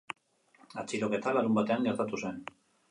Atxiloketa larunbatean gertatu zen.